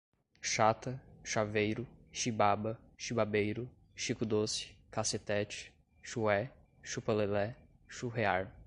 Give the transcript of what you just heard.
chata, chaveiro, chibaba, chibabeiro, chico doce, cassetete, chué, chupa lelé, churrear